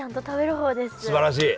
すばらしい。